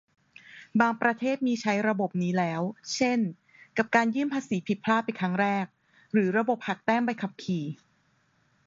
บางประเทศมีใช้ระบบนี้แล้ว เช่นกับการยื่นภาษีผิดพลาดเป็นครั้งแรก หรือระบบหักแต้มใบขับขี่